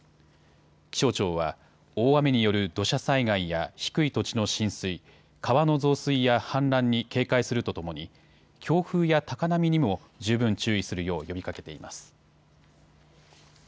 気象庁は大雨による土砂災害や低い土地の浸水、川の増水や氾濫に警戒するとともに強風や高波にも十分注意するよう呼びかけています。